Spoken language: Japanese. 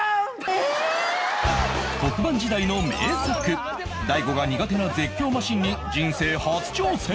特番時代の名作大悟が苦手な絶叫マシンに人生初挑戦